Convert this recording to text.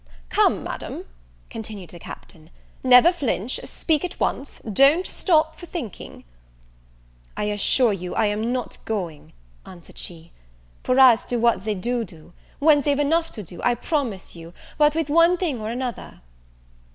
"Come, Madam," continued the Captain, "never flinch; speak at once; don't stop for thinking." "I assure you I am not going," answered she; "for as to what they do do, why they've enough to do, I promise you, what with one thing or another."